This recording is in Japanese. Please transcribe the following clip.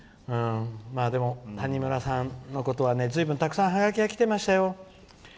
谷村さんのことはずいぶんたくさんハガキが来ていましたよ。